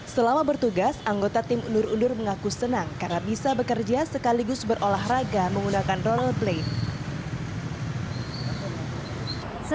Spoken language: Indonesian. selama bertugas anggota tim undur undur mengaku senang karena bisa bekerja sekaligus berolahraga menggunakan ronald plate